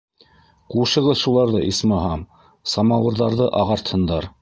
Ҡушығыҙ шуларҙы, исмаһам, самауырҙарҙы ағартһындар.